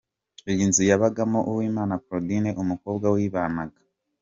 Iyi nzu yabagamo Uwimana Claudine, umukobwa wibanaga.